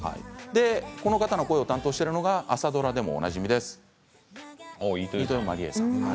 この方の声を担当してるのが朝ドラでもおなじみ飯豊まりえさん。